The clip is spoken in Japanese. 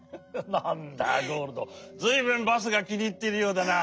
なんだゴールドずいぶんバスがきにいっているようだな。